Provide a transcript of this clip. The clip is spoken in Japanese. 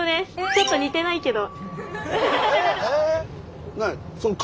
ちょっと似てないけど。